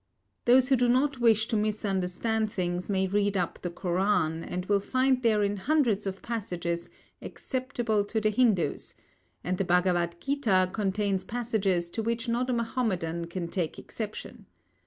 Those who do not wish to misunderstand things may read up the Koran, and will find therein hundreds of passages acceptable to the Hindus; and the Bhagavad Gita contains passages to which not a Mahomedan can take exception.